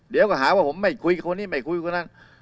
เดี๋ยวก็หาว่าผมไม่คุยคนนี้ไม่คุยคนนั้น